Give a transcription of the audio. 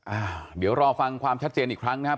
อ่าเดี๋ยวรอฟังความชัดเจนอีกครั้งนะครับ